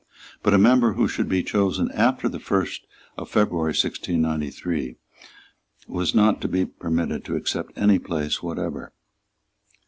But a member who should be chosen after the first of February 1693 was not to be permitted to accept any place whatever.